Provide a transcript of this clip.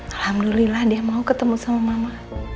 alhamdulillah dia mau ketemu sama mama